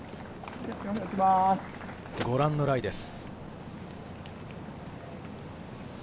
ご覧のライです。